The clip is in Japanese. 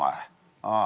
ああ。